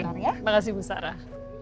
terima kasih bu sarah